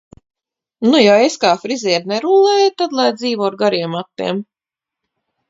Nu - ja es kā friziere nerullēju, tad lai dzīvo ar gariem matiem.